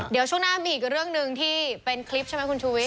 เดี๋ยวช่วงหน้ามีอีกเรื่องหนึ่งที่เป็นคลิปใช่ไหมคุณชูวิท